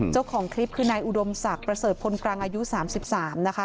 เจ้าของคลิปคือนายอุดมศักดิ์ประเสริฐพลกรังอายุ๓๓นะคะ